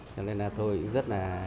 cho nên là tôi cũng rất là